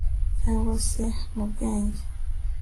cyangwa se mu bwenge